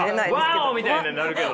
ワオみたいにはなるけど。